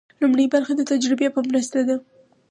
لومړۍ برخه د تجربې په مرسته ده.